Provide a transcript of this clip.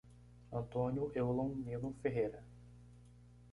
Antônio Eulon Lino Ferreira